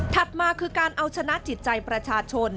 มาคือการเอาชนะจิตใจประชาชน